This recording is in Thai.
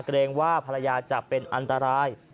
เกรงว่าภรรยาจะเป็นอันตราย